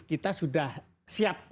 kita sudah siap